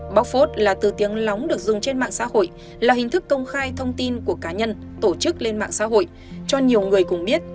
bóc phốt là từ tiếng lóng được dùng trên mạng xã hội là hình thức công khai thông tin của cá nhân tổ chức lên mạng xã hội cho nhiều người cùng biết